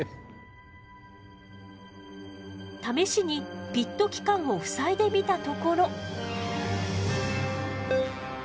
試しにピット器官をふさいでみたところ。